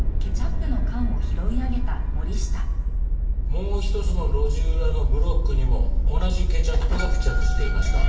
もう一つの路地裏のブロックにも同じケチャップが付着していました。